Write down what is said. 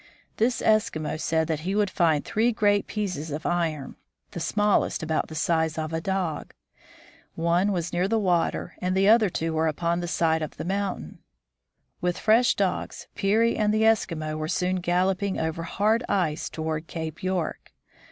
This Eskimo said that he would find three great pieces of iron, the smallest about the size of a dog. One was near the water, and the other two were upon the side of the mountain. With fresh dogs Peary and the Eskimo were soon galloping over hard ice toward Cape York.